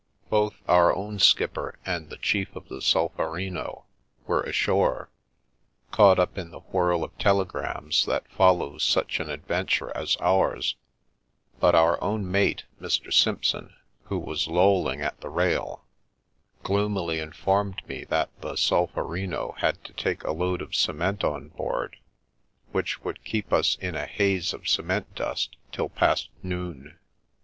Both our own skipper and the chief of the Solferino were ashore, caught up in the whirl of telegrams that follows such an adventure as ours, but our own mate, Mr. Simpson, who was lolling at the rail, gloomily informed me that the Solferino had to take a load of cement on board, which would keep us in a haze of cement dust till past noon.